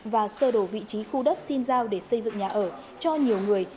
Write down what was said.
và sơ đổ vị trí khu đất xin giao để xây dựng nhà ở cho nhiều người